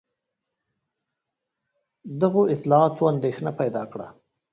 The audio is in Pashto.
دغو اطلاعاتو اندېښنه پیدا کړه.